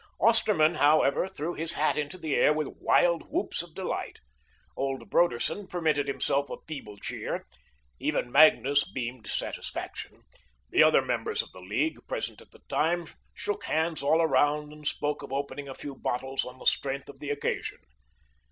Osterman, however, threw his hat into the air with wild whoops of delight. Old Broderson permitted himself a feeble cheer. Even Magnus beamed satisfaction. The other members of the League, present at the time, shook hands all around and spoke of opening a few bottles on the strength of the occasion.